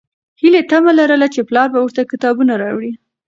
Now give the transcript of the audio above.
هیلې تمه لرله چې پلار به ورته کتابونه راوړي.